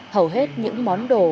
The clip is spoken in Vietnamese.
hầu hết những món đồ